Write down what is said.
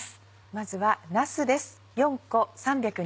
まずはなすです。